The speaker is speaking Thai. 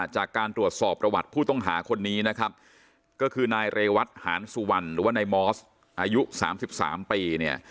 จากการตรวจสอบประวัติผู้ต้องหาคนนี้นะครับก็คือนายเรวัตหานสุวรรณหรือว่านายมอสอายุ๓๓ปีเนี่ย